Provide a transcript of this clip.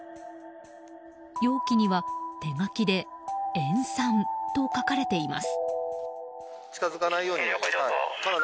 容器には手書きで塩酸と書かれています。